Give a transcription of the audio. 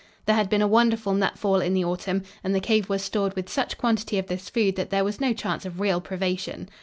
There had been a wonderful nut fall in the autumn and the cave was stored with such quantity of this food that there was no chance of real privation.